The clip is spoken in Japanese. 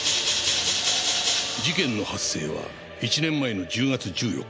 事件の発生は１年前の１０月１４日。